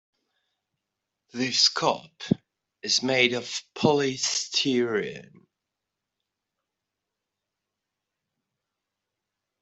This cup is made of polystyrene.